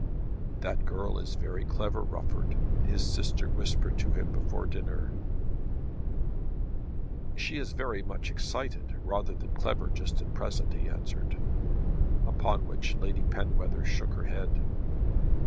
"That girl is very clever, Rufford," his sister whispered to him before dinner. "She is very much excited rather than clever just at present," he answered; upon which Lady Penwether shook her head.